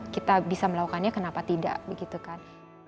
dan kita bisa melakukannya kenapa tidak begitu kan